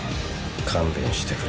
勘弁してくれ。